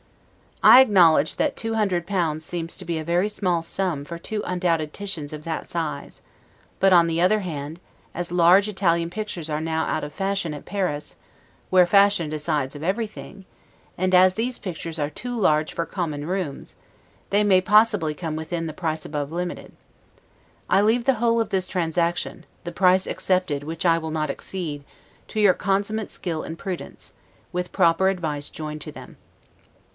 I acknowledge that two hundred pounds seems to be a very small sum for two undoubted Titians of that size; but, on the other hand, as large Italian pictures are now out of fashion at Paris, where fashion decides of everything, and as these pictures are too large for common rooms, they may possibly come within the price above limited. I leave the whole of this transaction (the price excepted, which I will not exceed) to your consummate skill and prudence, with proper advice joined to them.